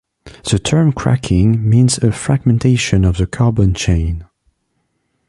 The term cracking means a fragmentation of the carbon chain